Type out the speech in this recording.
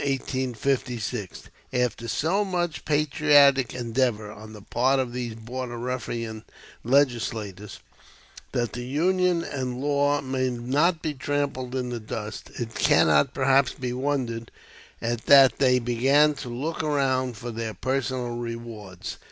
] After so much patriotic endeavor on the part of these Border Ruffian legislators "that the Union and law may not be trampled in the dust," it cannot perhaps be wondered at that they began to look around for their personal rewards.